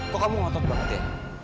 kok kamu ngotot banget ya